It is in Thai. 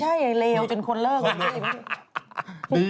หลานสายเลือด